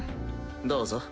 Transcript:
どうぞ。